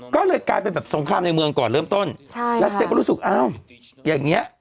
ก็เลยกลายเป็นแบบสงครามในเมืองก่อนเริ่มต้นใช่แล้วเจ๊ก็รู้สึกอ้าวอย่างเงี้ย